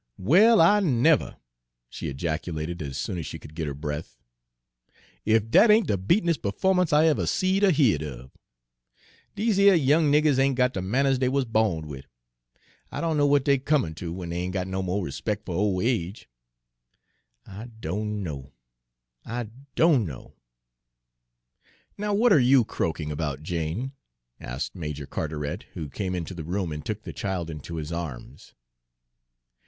"Well, I nevuh!" she ejaculated, as soon as she could get her breath, "ef dat ain' de beatinis' pe'fo'mance I ever seed er heared of! Dese yer young niggers ain' got de manners dey wuz bawned wid! I don' know w'at dey're comin' to, w'en dey ain' got no mo' rispec' fer ole age I don' know I don' know!" "Now what are you croaking about, Jane?" asked Major Carteret, who came into the room and took the child into his arms.